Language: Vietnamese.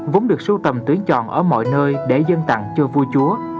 vốn được sưu tầm tuyển chọn ở mọi nơi để dân tặng cho vua chúa